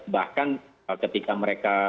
bahkan ketika mereka